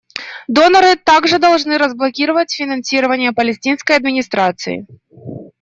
Доноры также должны разблокировать финансирование Палестинской администрации.